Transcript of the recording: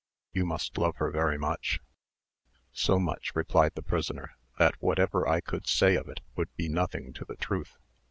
"You must love her very much?" "So much," replied the prisoner, "that whatever I could say of it would be nothing to the truth.